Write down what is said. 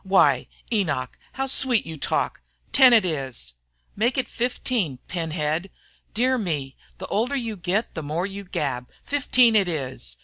"Why, Enoch, how sweet you talk! Ten it is!" "Make it fifteen, pin head!" "Dear me, the older you get the more you gab! Fifteen it is!"